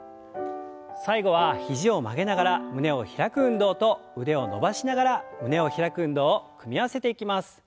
最後は肘を曲げながら胸を開く運動と腕を伸ばしながら胸を開く運動を組み合わせていきます。